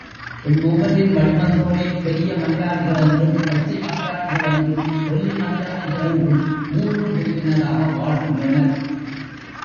இம்மூவரின் வழிவந்தோரே பெரிய மலையாளிகள் என்றும், பச்சை மலையாளிகள் என்றும், கொல்லி மலையாளிகள் என்றும் மூன்று பிரிவினராக வாழ்கின்றனர்.